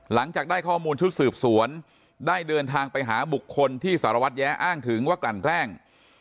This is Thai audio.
หลังจากได้ข้อมูลชุดสืบสวนได้เดินทางไปหาบุคคลที่สารวัตรแย้อ้างถึงว่ากลั่นแกล้ง